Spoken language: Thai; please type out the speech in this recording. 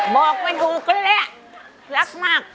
บอกไม่ถูกเลยรักมาก